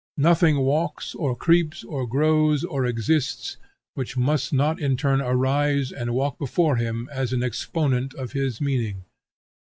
Nothing walks, or creeps, or grows, or exists, which must not in turn arise and walk before him as exponent of his meaning.